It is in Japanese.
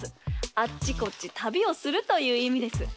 あっちこっち旅をするといういみです。